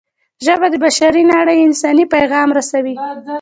ژبه د بشري نړۍ انساني پیغام رسوي